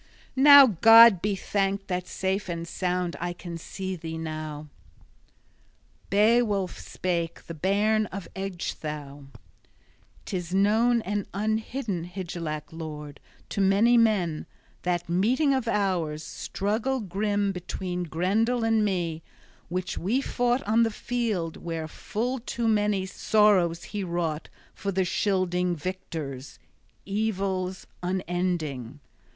Now God be thanked that safe and sound I can see thee now!" Beowulf spake, the bairn of Ecgtheow: "'Tis known and unhidden, Hygelac Lord, to many men, that meeting of ours, struggle grim between Grendel and me, which we fought on the field where full too many sorrows he wrought for the Scylding Victors, evils unending.